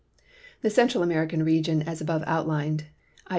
The Central American region as above outlined — i.